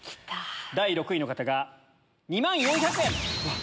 第６位の方が２万４００円。